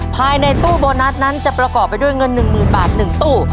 ภายในตู้โบนัสนั้นจะประกอบไปด้วยเงินหนึ่งหมื่นบาทหนึ่งตู้